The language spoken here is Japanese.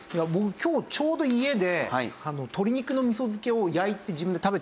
今日ちょうど家で鶏肉のみそ漬けを焼いて自分で食べてきたんですよ。